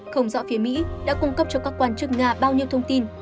không rõ phía mỹ đã cung cấp cho các quan chức nga bao nhiêu thông tin